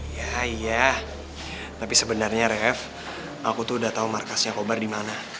iya iya tapi sebenernya rev aku tuh udah tau markasnya kobra dimana